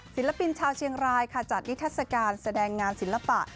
ศิลปินชาวเชียงรายค่ะจัดนิทัศกาลแสดงงานศิลปะ